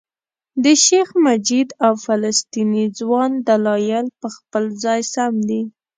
د شیخ مجید او فلسطیني ځوان دلایل په خپل ځای سم دي.